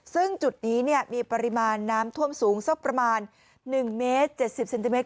ซึ่งจุดนี้มีปริมาณน้ำท่วมสูงสักประมาณ๑เมตร๗๐เซนติเมต